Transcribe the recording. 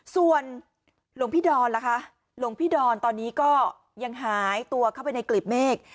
ส่วนหลวงพี่ดอนล่ะคะหลวงพี่ดอนตอนนี้ก็ยังหายตัวเข้าไปในกลีบเมฆ